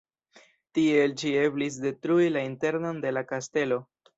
Tiel ĉi eblis detrui la internon de la kastelo.